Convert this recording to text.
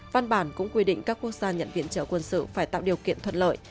văn bản cũng quy định các quốc gia nhận viện trợ quân sự phải tạo điều kiện thuận lợi